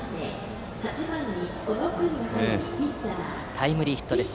タイムリーヒットです